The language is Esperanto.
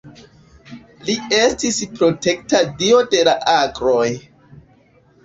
Li estis protekta dio de la agroj.